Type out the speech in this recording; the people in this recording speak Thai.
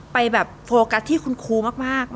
ไปแบบโฟกัสที่คุณครูมาก